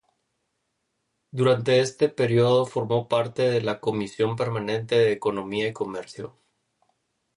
Durante este período formó parte de la comisión permanente de Economía y Comercio.